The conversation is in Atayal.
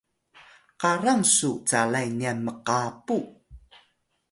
karang su calay nyan mqapu